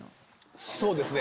そうですね。